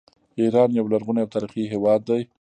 ایران یو لرغونی او تاریخي هیواد دی.